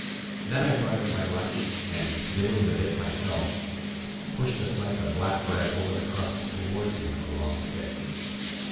Then I brought out my lunch and, nibbling a bit myself, pushed a slice of black bread over the crust towards him with a long stick.